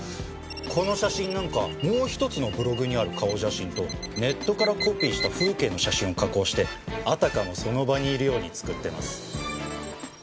この写真なんかもう１つのブログにある顔写真とネットからコピーした風景の写真を加工してあたかもその場にいるように作ってます。